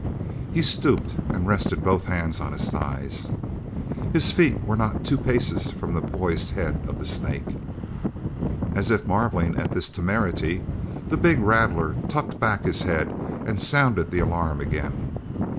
He stooped and rested both hands on his thighs. His feet were not two paces from the poised head of the snake. As if marvelling at this temerity, the big rattler tucked back his head and sounded the alarm again.